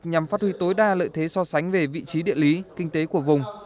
nhằm phát huy tối đa lợi thế so sánh về vị trí địa lý kinh tế của vùng